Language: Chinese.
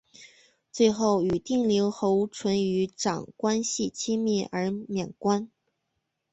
最后与定陵侯淳于长关系亲密而免官。